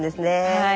はい。